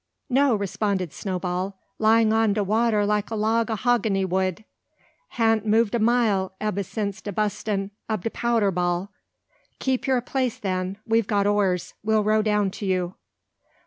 "No," responded Snowball, "lying on de water like a log o' 'hogany wood. Han't move a mile ebba since de bustin' ob de powder ball." "Keep your place then. We've got oars. We'll row down to you."